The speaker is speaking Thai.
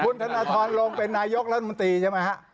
คุณธนทรลงเป็นนายกรัฐมนตรีใช่ไหมฮะ